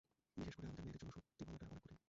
বিশেষকরে, একটা মেয়ের জন্য, সত্যি বলাটা অনেক কঠিন।